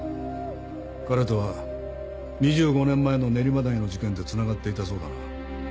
彼とは２５年前の練馬台の事件でつながっていたそうだな。